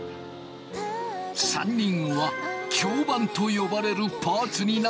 ３人は響板と呼ばれるパーツになった。